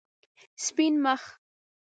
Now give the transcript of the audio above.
سپین مخ